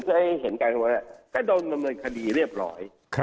เพื่อให้เห็นกันว่าก็โดนดำเนินคดีเรียบร้อย